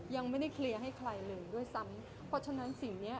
ยังไม่ได้เคลียร์ให้ใครเลยด้วยซ้ำเพราะฉะนั้นสิ่งเนี้ย